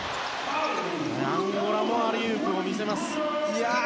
アンゴラもアリウープを見せました。